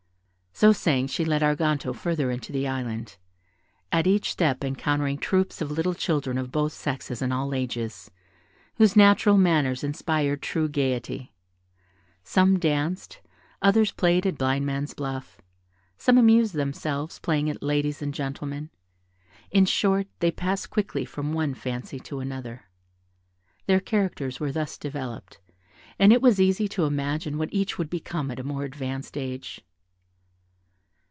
So saying, she led Arganto further into the Island, at each step encountering troops of little children of both sexes and all ages, whose natural manners inspired true gaiety; some danced, others played at blindman's buff, some amused themselves playing at "ladies and gentlemen," in short they passed quickly from one fancy to another; their characters were thus developed, and it was easy to imagine what each would become at a more advanced age.